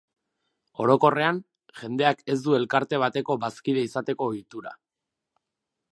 Orokorrean, jendeak ez du elkarte bateko bazkide izateko ohitura.